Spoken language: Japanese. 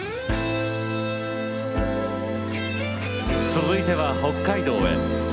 続いては北海道へ。